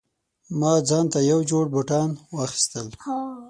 ما ځانته یو جوړ بوټان واخیستل